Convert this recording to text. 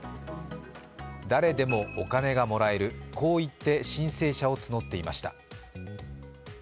誰でもお金がもらえるこう言って、申請者を募っていました。